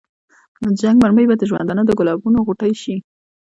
نو د جنګ مرمۍ به د ژوندانه د ګلابونو غوټۍ شي.